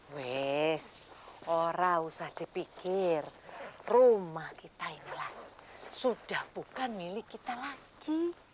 wes orang usah dipikir rumah kita ini lah sudah bukan milik kita lagi